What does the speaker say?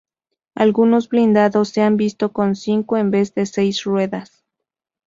Algunos blindados se han visto con cinco en vez de seis ruedas.